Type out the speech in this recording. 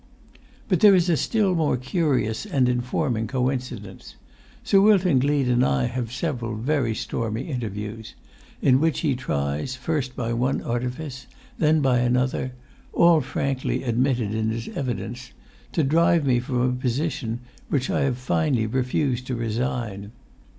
"But there is a still more curious and informing coincidence. Sir Wilton Gleed and I have several very stormy interviews, in which he tries, first by one artifice, then by another—all frankly admitted in his evidence—to drive me from a position which I have finally refused to resign.